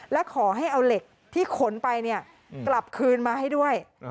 และขอให้เอาเหล็กที่ขนไปกลับคืนมาให้ด้วย